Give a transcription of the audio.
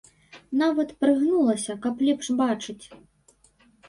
Нават прыгнулася, каб лепш бачыць.